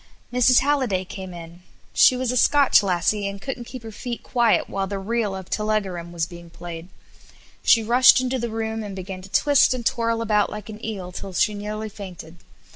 Mrs. Halliday came in; she was a Scotch lassie, and couldn't keep her feet quiet while the "Reel of Tullegoram" was being played; she rushed into the room and began to twist and twirl about like an eel till she nearly fainted.